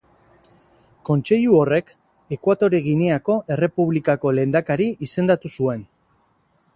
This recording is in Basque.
Kontseilu horrek Ekuatore Gineako errepublikako lehendakari izendatu zuen.